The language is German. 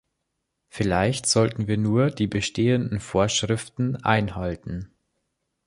Vielleicht sollten wir nur die bestehenden Vorschriften einhalten.